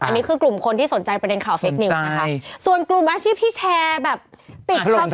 อันนี้คือกลุ่มคนสนใจประแดนคขาวเฟคนิวค่ะส่วนกลุ่มอาชีพที่แชร์ติดทับเทรง